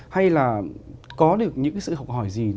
hay là có được những sự học hỏi gì